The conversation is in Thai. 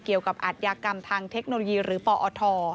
อัธยากรรมทางเทคโนโลยีหรือปอท